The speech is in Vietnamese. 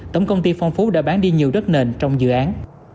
tổng công ty phong phú đã bán đi nhiều đất nền trong dự án